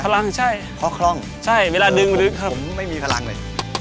พลังใช่เพราะคร่องใช่เวลาดึงผมไม่มีพลังเลย